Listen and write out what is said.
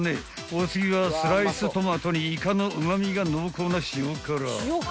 ［お次はスライストマトにイカのうま味が濃厚な塩辛］